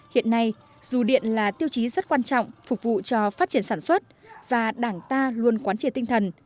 hiện nay dù điện là tiêu chí rất quan trọng phục vụ cho phát triển sản xuất và đảng ta luôn quán triệt tinh thần